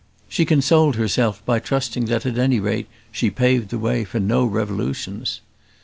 She consoled herself by trusting that, at any rate, she paved the way for no revolutions.